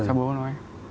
sao bố bố nói